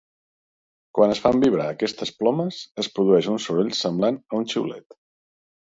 Quan es fan vibrar aquestes plomes, es produeix un soroll semblant a un xiulet.